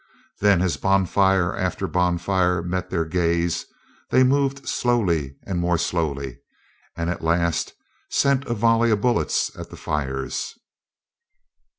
Then as bonfire after bonfire met their gaze, they moved slowly and more slowly, and at last sent a volley of bullets at the fires.